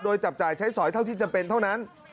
โดยจับจ่ายใช้สอยเท่าที่จำเป็นเท่านั้น